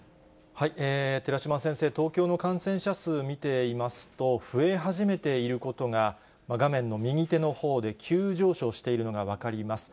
寺嶋先生、東京の感染者数見ていますと、増え始めていることが画面の右手のほうで急上昇しているのが分かります。